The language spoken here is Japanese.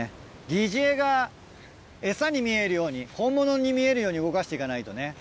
疑似餌がエサに見えるように本物に見えるように動かしていかないとね。